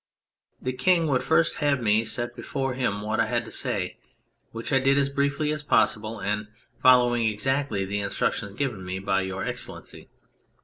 The King would first have me set before him what I had to say, which I did as briefly as possible, and following exactly the instructions given me by Your Excellency.